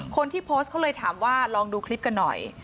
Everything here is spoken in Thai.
คนที่โพสต์เขาเลยถามว่าลองดูคลิปกันหน่อย